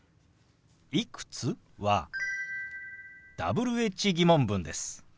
「いくつ？」はＷｈ−疑問文です。